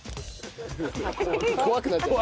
怖くなっちゃった。